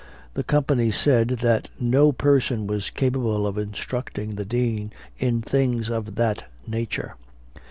The company said, that no person was capable of instructing the Dean in things of that nature.